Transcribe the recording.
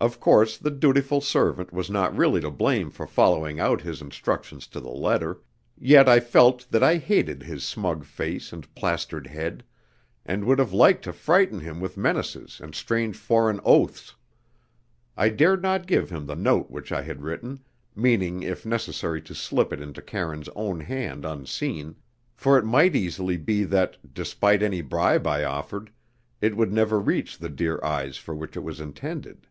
Of course the dutiful servant was not really to blame for following out his instructions to the letter, yet I felt that I hated his smug face and plastered head, and would have liked to frighten him with menaces and strange foreign oaths. I dared not give him the note which I had written, meaning if necessary to slip it into Karine's own hand unseen, for it might easily be that, despite any bribe I offered, it would never reach the dear eyes for which it was intended.